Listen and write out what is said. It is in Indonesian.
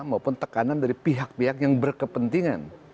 maupun tekanan dari pihak pihak yang berkepentingan